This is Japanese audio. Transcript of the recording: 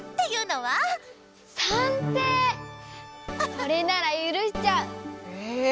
それならゆるしちゃう！